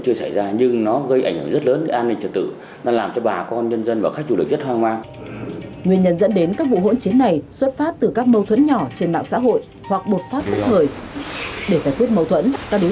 để giải quyết mâu thuẫn các đối tượng thường hẹn nhau giãn cấp cứu đường lớn